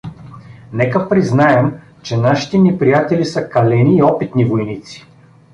Нека признаем, че нашите неприятели са калени и опитни войници.